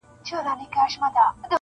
• خړي څانګي تور زاغان وای -